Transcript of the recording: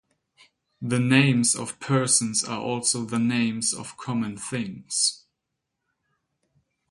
The names of persons are also the names of common things.